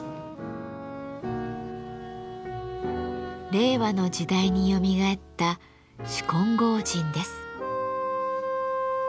令和の時代によみがえった執金剛神です。